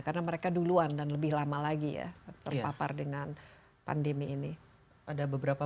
karena mereka duluan dan lebih lama lagi ya terpapar dengan pandemi ini ada beberapa